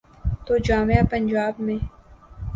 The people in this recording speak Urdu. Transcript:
تو جامعہ پنجاب میں۔